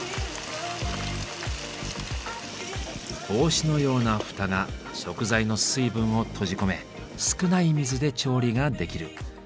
帽子のような蓋が食材の水分を閉じ込め少ない水で調理ができる。